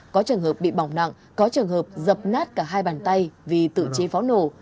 có trường hợp bị bỏng nặng có trường hợp dập nát cả hai bàn tay vì tự chế pháo nổ